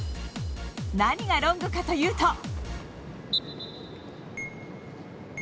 何がロングかというと。